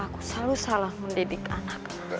aku selalu salah mendidik anak